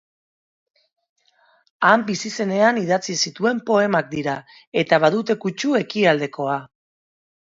Han bizi zenean idatzi zituen poemak dira, eta badute kutsu ekialdekoa.